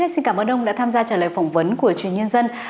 xin cảm ơn ông đã tham gia trả lời phỏng vấn của truyền nhân dân